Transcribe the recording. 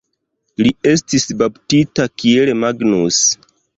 Li estis baptita kiel Magnus.